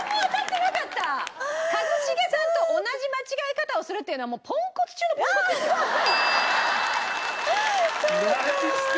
一茂さんと同じ間違え方をするっていうのはもうポンコツ中のポンコツですよ。何してくれんすかマジで。